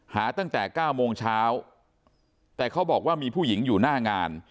ตั้งแต่๙โมงเช้าแต่เขาบอกว่ามีผู้หญิงอยู่หน้างาน